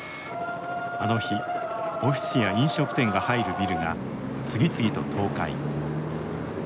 あの日オフィスや飲食店が入るビルが次々と倒壊。